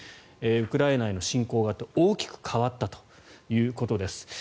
ウクライナへの侵攻があって大きく変わったということです。